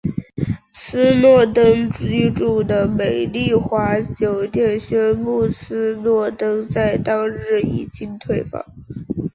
斯诺登居住的美丽华酒店宣布斯诺登在当日已经退房。